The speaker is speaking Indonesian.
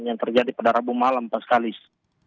yang terjadi pada rabu malam pak skalis